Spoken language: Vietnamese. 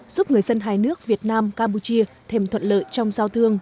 giúp người dân hai nước việt nam campuchia thêm thuận lợi trong giao thương